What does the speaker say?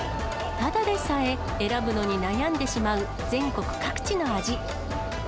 ただでさえ選ぶのに悩んでしまう全国各地の味。